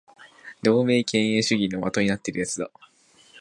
同盟敬遠主義の的になっている奴だ